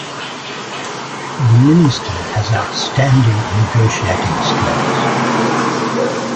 The minister has outstanding negotiating skills.